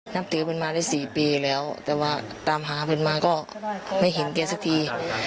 นับถือเป็นมาได้๔ปีแล้วแต่ว่าตามหาเพื่อนมาก็ไม่เห็นแกสักที